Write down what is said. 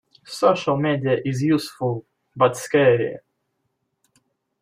Social media is useful, but scary.